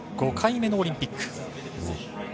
５回目のオリンピック。